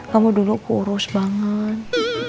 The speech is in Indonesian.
kamu dulu kurus banget